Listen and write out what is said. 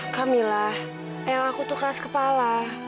kamila eyang aku tuh keras kepala